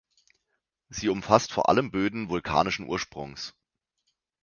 Sie umfasst vor allem Böden vulkanischen Ursprungs.